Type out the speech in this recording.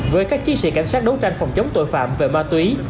với các chiến sĩ cảnh sát đấu tranh phòng chống tội phạm về ma túy